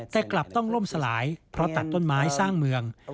แต่กลับต้องล่มสลายเพราะตัดต้นไม้สร้างเมือง